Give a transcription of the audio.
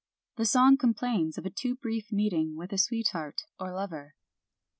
The song complains of a too brief meeting with sweet heart or lover.